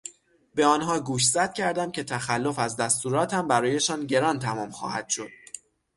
به آنها گوشزد کردم که تخلف از دستوراتم برایشان گران تمام خواهد شد.